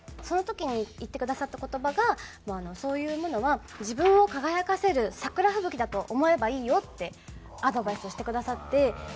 その時に言ってくださった言葉が「そういうものは自分を輝かせる桜吹雪だと思えばいいよ」ってアドバイスをしてくださって。